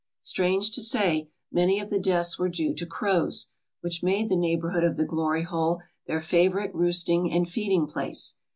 Strange to say, many of the deaths were due to crows, which made the neighbourhood of the Glory Hole their favourite roosting and feeding place.